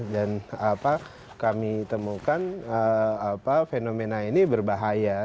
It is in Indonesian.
dan kami temukan fenomena ini berbahaya